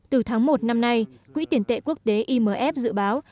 từ tháng một năm nay quỹ tiền tệ quốc tế imf dự báo